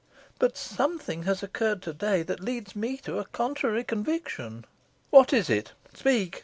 "But something has occurred to day that leads me to a contrary conviction." "What is it? Speak!"